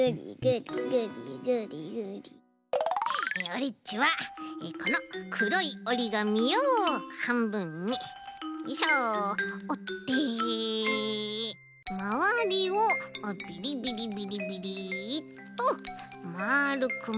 オレっちはこのくろいおりがみをはんぶんによいしょおってまわりをビリビリビリビリっとまるくまるくきっていく。